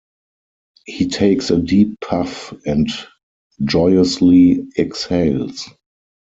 He takes a deep puff and joyously exhales.